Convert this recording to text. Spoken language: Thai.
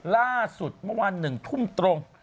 ล่าสุดเมื่อวาน๑ทุ่มตรง